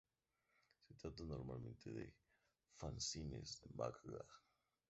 Se trata normalmente de "fanzines" de "manga".